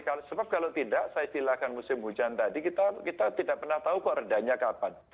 karena sebab kalau tidak saya silakan musim hujan tadi kita tidak pernah tahu kok redanya kapan